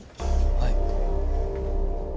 はい。